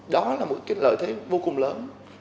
đó là một cái lợi thế vô cùng lớn